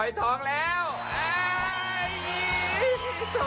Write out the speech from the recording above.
ไม่ต้องหลอกนะฟี